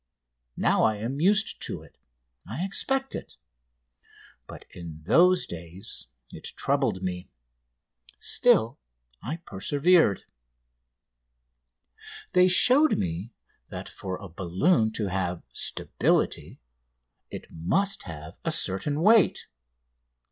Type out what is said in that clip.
Now I am used to it I expect it. But in those days it troubled me. Still I persevered. They showed me that for a balloon to have "stability" it must have a certain weight.